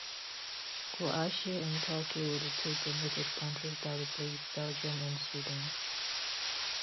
Croatia and Turkey were the two promoted countries that replaced Belgium and Sweden.